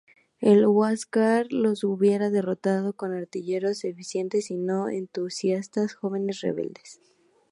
El "Huáscar" los hubiera derrotado con artilleros eficientes y no entusiastas jóvenes rebeldes.